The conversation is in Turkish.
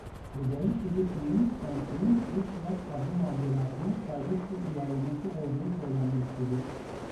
Özellikle de filmin Tenten'in "Kırık Kulak" adlı macerasının serbest bir uyarlaması olduğu söylenmektedir.